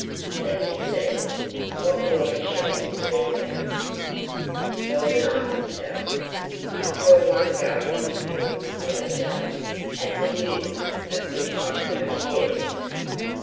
Let me see: what more machines are there now? More than I can tell. I saw one going in the fields the other day, at the use of which I could only guess.